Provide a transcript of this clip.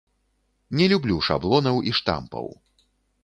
Не люблю шаблонаў і штампаў.